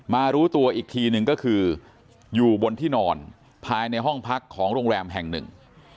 รู้ตัวอีกทีหนึ่งก็คืออยู่บนที่นอนภายในห้องพักของโรงแรมแห่งหนึ่ง